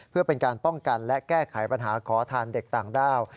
เพื่อเป็นการป้องกันและแก้ไขปัญหาขอทานเด็กต่างด้าว